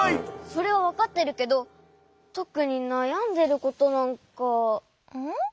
それはわかってるけどとくになやんでることなんか。